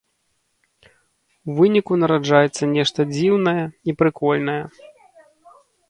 У выніку нараджаецца нешта дзіўная і прыкольная.